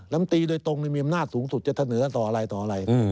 ลำตีโดยตรงมีอำนาจสูงสุดจะเสนอต่ออะไรต่ออะไร